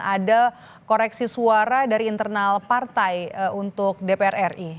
ada koreksi suara dari internal partai untuk dpr ri